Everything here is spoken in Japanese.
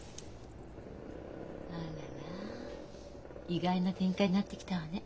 意外な展開になってきたわね。